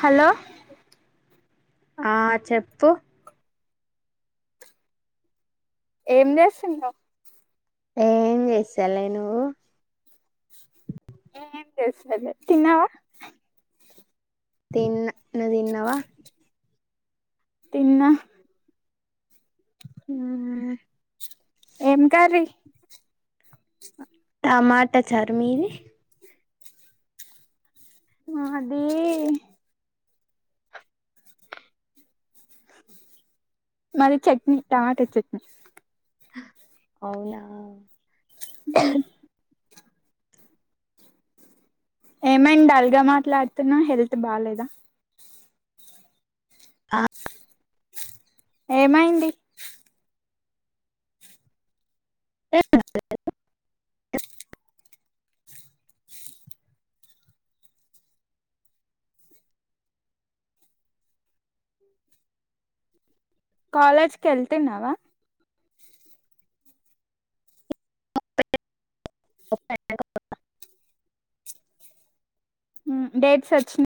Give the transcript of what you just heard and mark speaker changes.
Speaker 1: hello
Speaker 2: ఆ చెప్పు
Speaker 1: ఏం చేస్తున్నావ్వు
Speaker 2: ఏం చేస్తాలే నువ్వు
Speaker 1: నేను ఎం చేస్తాలే తిన్నావా
Speaker 2: తిన్న నువ్వు తిన్నావా
Speaker 1: తిన్న
Speaker 2: హ
Speaker 1: ఏం కర్రీ
Speaker 2: టమాటా చారు మీది
Speaker 1: మాది మది చట్నీ టమాటో చట్నీ
Speaker 2: అవునా
Speaker 1: అ ఏమైంది డల్ గా మాట్లాడుతున్నా హెల్త్ బాలేదా
Speaker 2: ఆ
Speaker 1: ఏమైంది
Speaker 2: [unintelligible]
Speaker 1: కాలేజ్కి వెళ్తున్నావా
Speaker 2: [unintelligible]
Speaker 1: డేట్స్ వచ్చిన